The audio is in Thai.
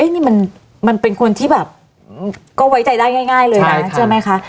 นี่มันเป็นคนที่แบบก็ไว้ใจได้ง่ายเลยนะ